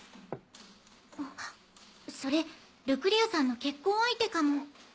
あそれルクリアさんの結婚相手かも。